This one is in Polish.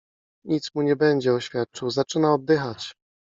Nic mu nie będzie oświadczył. - Zaczyna oddychać.